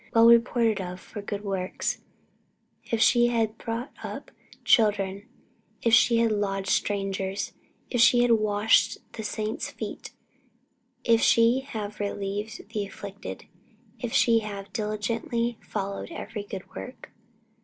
Well reported of for good works; if she have brought up children, if she have lodged strangers, if she have washed the saints' feet, if she have relieved the afflicted, if she have diligently followed every good work."